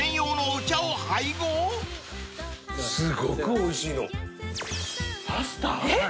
すごくおいしいの。パスタ？えっ？